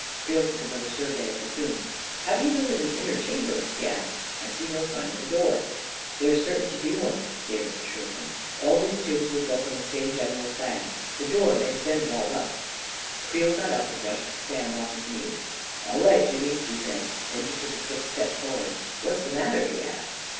Creel took another survey of the tomb. " How do you know there is an inner chamber? " he asked. " I see no sign of a door." A KING IN BABYLON 103 " There's certain to be one," Davis assured him. "All these tombs were built on the same general plan. The door may have been walled up." Creel got up and brushed the sand off his knees. " All right, Jimmy," he said; then he took a quick step forward. " What's the matter? " he asked.